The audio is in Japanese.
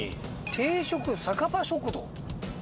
「定食酒場食堂」。